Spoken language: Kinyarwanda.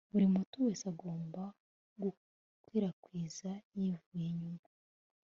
buri muhutu wese agomba gukwirakwiza yivuye inyuma